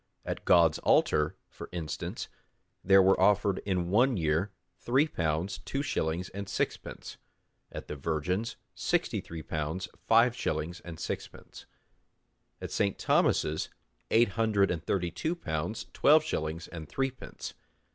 At God's altar, for instance, there were offered in one year three pounds two shillings and sixpence; at the Virgin's, sixty three pounds five shillings and sixpence; at St. Thomas's, eight hundred and thirty two pounds twelve shillings and threepence.